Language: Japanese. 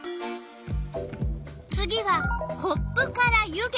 次はコップから湯気？